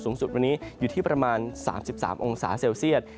สูงสุดวันนี้อยู่ที่ประมาณ๓๓องศาเซลเซียต